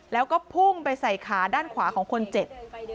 แล้วก็พุ่งไปใส่ขาด้านขวาของคนเจ็บ